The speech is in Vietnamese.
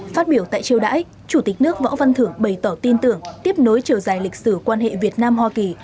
phát biểu tại triều đãi chủ tịch nước võ văn thưởng bày tỏ tin tưởng tiếp nối chiều dài lịch sử quan hệ việt nam hoa kỳ